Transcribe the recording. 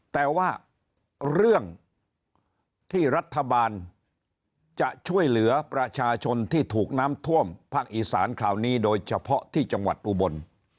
แต่ว่าเรื่องที่รัฐบาลจะช่วยเหลือประชาชนที่ถูกน้ำท่วมภาคอีสานคราวนี้โดยเฉพาะที่จังหวัดอุบล